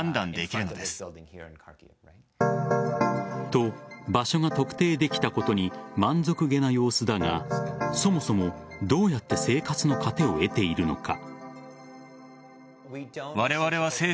と、場所が特定できたことに満足げな様子だがそもそも、どうやって生活の糧を得ているのか。